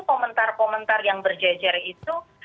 komentar komentar yang berjejer itu